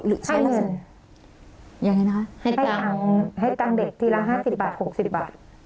หรือใช้เงินยังไงนะคะให้ตั้งให้ตั้งเด็กทีละห้าสิบบาทหกสิบบาท